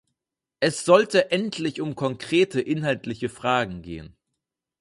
Es sollte endlich um konkrete inhaltliche Fragen gehen.